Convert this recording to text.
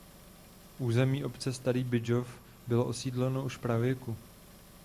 Území obce Starý Bydžov bylo osídleno už v pravěku.